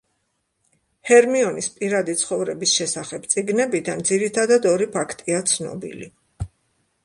ჰერმიონის პირადი ცხოვრების შესახებ წიგნებიდან ძირითადად, ორი ფაქტია ცნობილი.